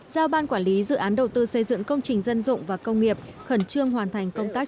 giao ban quản lý dự án đầu tư xây dựng công trình dân dụng và công nghiệp khẩn trương hoàn thành công tác